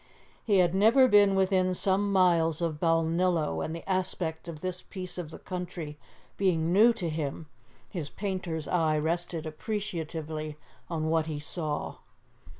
He had never been within some miles of Balnillo, and the aspect of this piece of the country being new to him, his painter's eye rested appreciatively on what he saw.